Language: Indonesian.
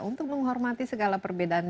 untuk menghormati segala perbedaan